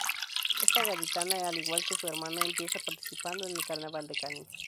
Esta gaditana, al igual que su hermano, empieza participando en el Carnaval de Cádiz.